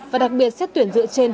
và đặc biệt xếp tuyển dựa trên